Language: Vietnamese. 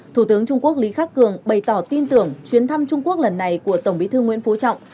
thủ tướng trung quốc lý khắc cường bày tỏ tin tưởng chuyến thăm trung quốc lần này của tổng bí thư nguyễn phú trọng